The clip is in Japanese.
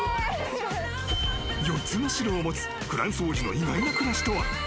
４つの城を持つフランス王子の意外な暮らしとは？